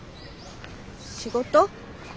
仕事？